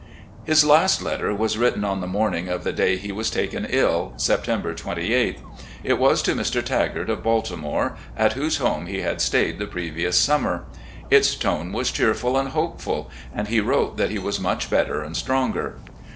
His last letter was written on the morning of the day he was taken ill, September 28th. It was to Mr. Tagart, of Baltimore, at whose home he had stayed the previous summer. Its tone was cheerful and hopeful, and he ■wrote that he was much better and stronger.